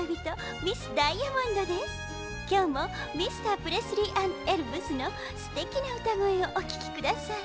きょうもミスタープレスリー＆エルヴスのすてきなうたごえをおききください。